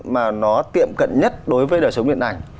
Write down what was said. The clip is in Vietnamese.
mà nó tiệm cận nhất đối với đời sống điện ảnh